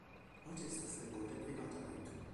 Heute ist das Gebäude Privateigentum.